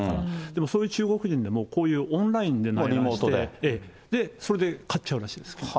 でもそういう中国人でもオンラインで、それで買っちゃうらしいです。